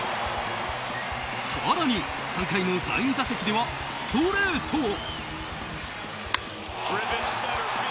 更に、３回の第２打席ではストレートを。